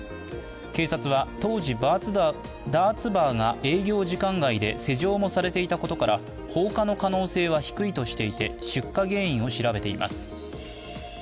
警察は、当時ダーツバーが営業時間外で施錠もされていたことから放火の可能性は低いとしていて出火原因を調べています。